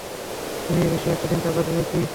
তুমি এ বিষয়ে একটু চিন্তা করবে কি?